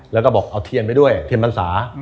แล้วก็บอกเอาเทียนไปด้วยเทียนพรรษา